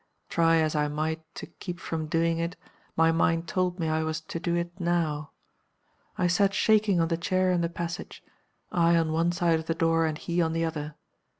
Try as I might to keep from doing it, my mind told me I was to do it now. I sat shaking on the chair in the passage; I on one side of the door, and he on the other.